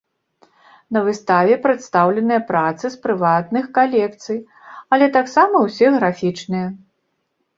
На выставе прадстаўленыя працы з прыватных калекцый, але таксама ўсе графічныя.